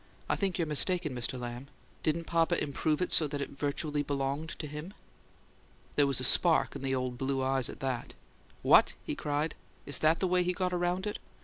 "I think you're mistaken, Mr. Lamb. Didn't papa improve it so that it virtually belonged to him?" There was a spark in the old blue eyes at this. "What?" he cried. "Is that the way he got around it?